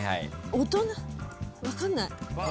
大人分かんない。